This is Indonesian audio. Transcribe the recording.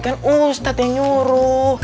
kan ustadz yang nyuruh